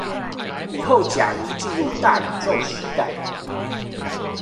以後假如進入大宇宙時代